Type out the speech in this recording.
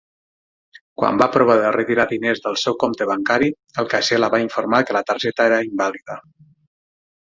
Quan va provar de retirar diners del seu compte bancari, el caixer la va informar que la targeta era invàlida.